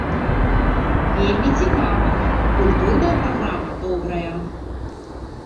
Вельмі цікава, культурная праграма добрая.